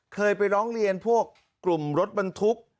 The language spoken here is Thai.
เคยไปร้องเรียนพวกกลุ่มรถบรรทุก